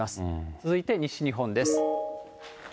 続いて西日本です。